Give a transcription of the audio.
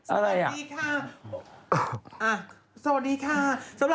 อะไรอ่ะสวัสดีค่ะสวัสดีค่ะ